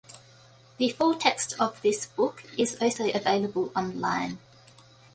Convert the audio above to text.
The full text of this book is also available online.